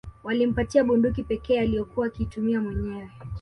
Walimpatia bunduki pekee aliyokuwa akiitumia mwenyewe